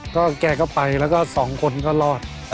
ก็แกก็ไปแล้วก็สองคนก็รอด